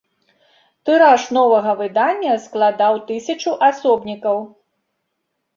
Тыраж новага выдання складаў тысячу асобнікаў.